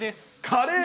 カレー？